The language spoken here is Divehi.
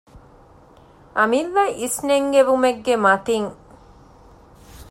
އަމިއްލަ އިސްނެންގެވުމެއްގެ މަތިން